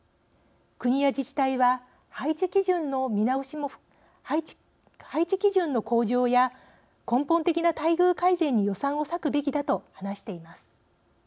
国や自治体は配置基準の向上や根本的な待遇改善に予算を割くべきだ」と話しています。